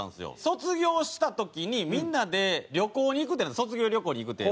卒業した時にみんなで旅行に行くってなって卒業旅行に行くって。